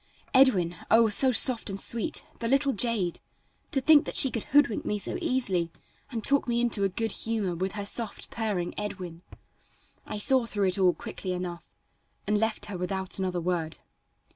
"Edwin!" Oh! so soft and sweet! The little jade! to think that she could hoodwink me so easily, and talk me into a good humor with her soft, purring "Edwin." I saw through it all quickly enough, and left her without another word.